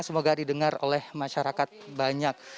semoga didengar oleh masyarakat banyak